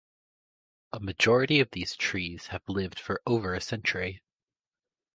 A majority of these trees have lived for over a century.